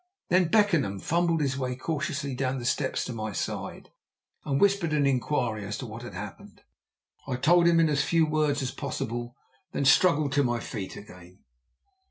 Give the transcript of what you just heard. Then Beckenham fumbled his way cautiously down the steps to my side, and whispered an inquiry as to what had happened. I told him in as few words as possible, and then struggled to my feet again.